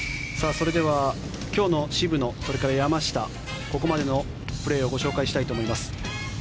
それでは、今日の渋野それから山下ここまでのプレーをご紹介したいと思います。